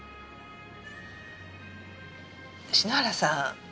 篠原さん